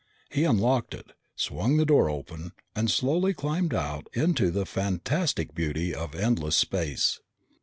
He unlocked it, swung the door open, and slowly climbed out into the fantastic beauty of endless space.